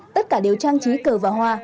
tất cả đều trang trí cờ và hoa